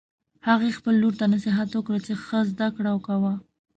هغې خپل لور ته نصیحت وکړ چې ښه زده کړه کوه